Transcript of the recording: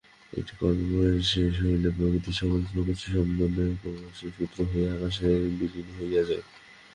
একটি কল্পের শেষ হইলে প্রকৃতির সকল প্রকাশই ক্রমান্বয়ে সূক্ষ্মতর হইয়া আকাশে বিলীন হইয়া যায়।